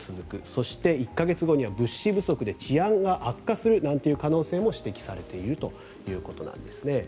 そして１か月後には物資不足で治安が悪化する可能性も指摘されているということなんですね。